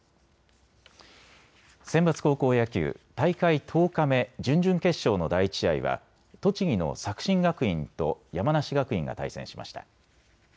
センバツ高校野球、大会１０日目、準々決勝の第１試合は栃木の作新学院と山梨学院が対戦しました。